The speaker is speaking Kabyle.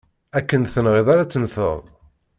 Akken tenɣiḍ ara temmteḍ!